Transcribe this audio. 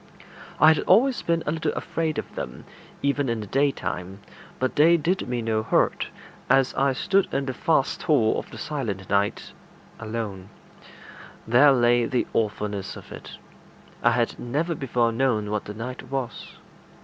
I had always been a little afraid of them, even in the daytime, but they did me no hurt, and I stood in the vast hall of the silent night alone: there lay the awfulness of it. I had never before known what the night was.